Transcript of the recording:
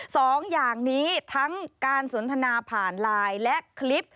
สองอย่างนี้ทั้งการสนทนาผ่านไลน์และคลิป